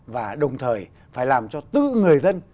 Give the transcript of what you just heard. và đồng thời phải làm cho tự người dân